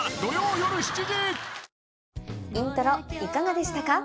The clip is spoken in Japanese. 『イントロ』いかがでしたか？